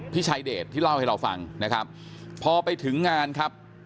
พี่ชายเดชที่เล่าให้เราฟังนะครับพอไปถึงงานครับ